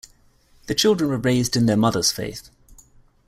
The children were raised in their mother's faith.